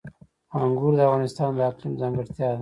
انګور د افغانستان د اقلیم ځانګړتیا ده.